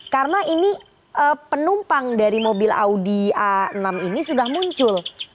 karena ini penumpang dari mobil audi a enam ini sudah muncul